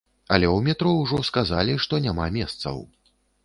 Але ў метро ўжо сказалі, што няма месцаў.